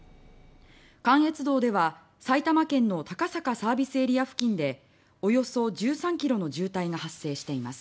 関越道では埼玉県の高坂ＳＡ付近でおよそ１３ｋｍの渋滞が発生しています。